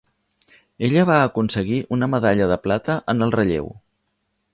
Ella va aconseguir una medalla de plata en el relleu.